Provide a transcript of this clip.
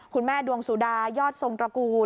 ดวงสุดายอดทรงตระกูล